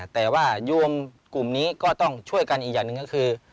แต่ว่าโยมกลุ่มนี้ก็ต้องช่วยกันอีกอย่างหนึ่งก็คือ